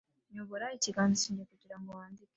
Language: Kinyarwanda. nyobora ikiganza cyanjye kugirango wandike